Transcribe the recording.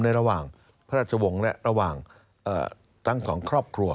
ระหว่างพระราชวงศ์และระหว่างทั้งสองครอบครัว